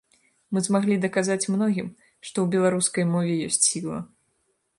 Мы змаглі даказаць многім, што ў беларускай мове ёсць сіла.